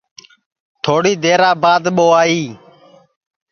تھوڑی دیرا بعد ٻو آئی